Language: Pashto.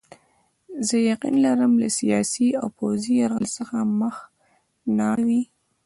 زه یقین لرم له سیاسي او پوځي یرغل څخه مخ نه اړوي.